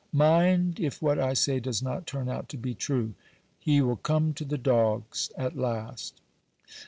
Mind if what I say does not turn out to be true ! He will come to the dogs at last.